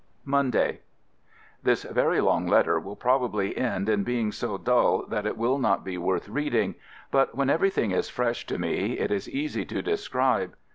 Monday. This very long letter will probably end in being so dull that it will not be worth reading, but when everything is fresh to me it is easy to describe.